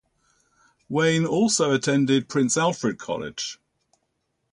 Wayne also attended Prince Alfred College.